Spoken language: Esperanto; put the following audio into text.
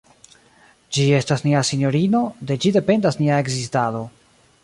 Ĝi estas nia sinjorino, de ĝi dependas nia ekzistado.